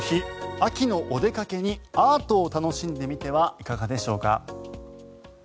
秋のお出かけにアートを楽しんでみてはいかがでしょうか。